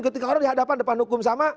ketika orang dihadapan depan hukum sama